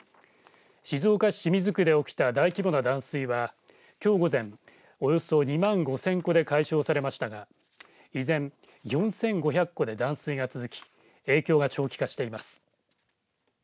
静岡市清水区で起きた大規模な断水はきょう午前、およそ２万５０００戸で解消されましたが依然、４５００戸で断水が続き影響が長期化しています。